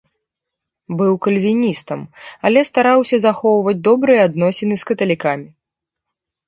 Быў кальвіністам, але стараўся захоўваць добрыя адносіны з каталікамі.